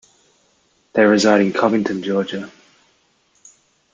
They reside in Covington, Georgia.